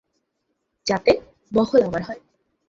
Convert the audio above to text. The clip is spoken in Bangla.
যাতে, মহল আমার হয়।